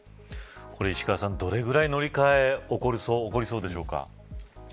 これ石川さん、どのぐらい乗り換え起こりそうでしょうか。